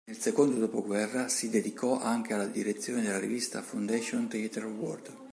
Nel secondo dopoguerra si dedicò anche alla direzione della rivista "Fondation Theatre World".